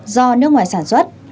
do nước ngoài sản xuất